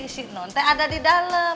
si nontek ada di dalam